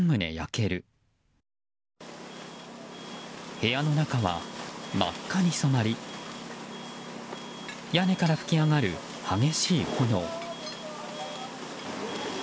部屋の中は真っ赤に染まり屋根から噴き上がる激しい炎。